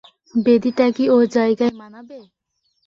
বেদীটা কি ও জায়গায় মানাবে।